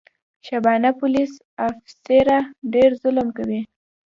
شبانه پولیس افیسره ډېر ظلم کوي.